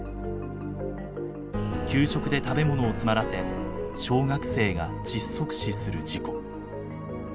給食で食べ物を詰まらせ小学生が窒息死する事故。